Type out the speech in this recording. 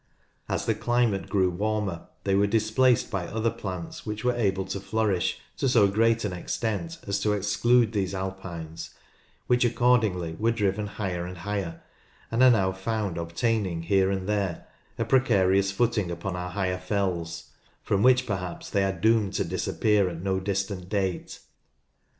As the climate grew warmer they were displaced by other plants which were able to flourish to so great an extent as to exclude these "alpines," which accordingly were driven higher and higher, and are now found obtaining here and there a precarious footing upon our higher fells, from which perhaps they are doomed to disappear at no distant date.